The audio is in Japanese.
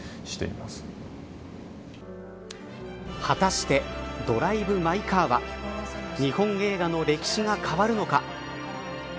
果たしてドライブ・マイ・カーは日本映画の歴史が変わるのか。